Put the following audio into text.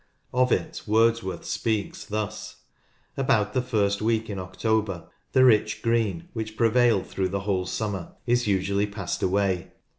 Of it Wordsworth speaks thus: — "About the first week in October, the rich green, which prevailed through the whole summer, is usually passed away.